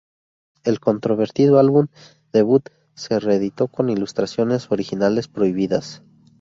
El controvertido álbum debut se reeditó con ilustraciones originales prohibidas.